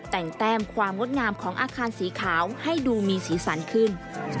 แต่งแต้มความงดงามของอาคารสีขาวให้ดูมีสีสันขึ้น